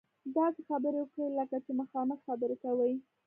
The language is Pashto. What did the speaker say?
داسې خبرې وکړئ لکه چې مخامخ خبرې کوئ.